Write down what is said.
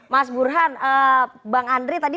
mas burhan bang andri tadi